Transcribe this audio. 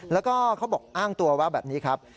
แล้วก็เขาบอกอ้างตัวว่าแบบนี้ครับ